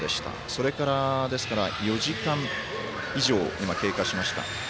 それから４時間以上経過しました。